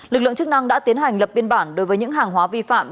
lực lượng chức năng đã tiến hành lập biên bản đối với những hàng hóa vi phạm